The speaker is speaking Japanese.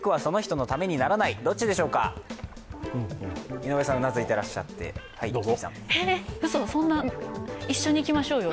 井上さんがうなずいていらっしゃってえっ、うそ、そんな一緒にいきましょうよ。